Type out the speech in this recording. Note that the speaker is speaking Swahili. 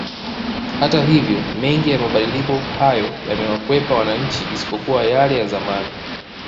Hata hivyo mengi ya mabadiliko hayo yamewakwepa wananchi isipokuwa yale ya zamani